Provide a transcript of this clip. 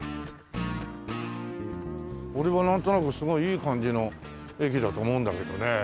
俺はなんとなくすごいいい感じの駅だと思うんだけどね。